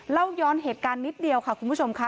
เล่าย้อนเหตุการณ์นิดเดียวค่ะคุณผู้ชมค่ะ